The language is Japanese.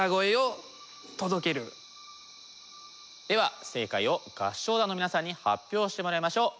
では正解を合唱団の皆さんに発表してもらいましょう。